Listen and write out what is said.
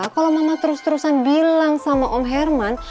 kalau mama terus terusan bilang sama om herman